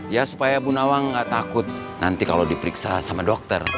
ya supaya bu nawang gak takut nanti kalau diperiksa sama dokter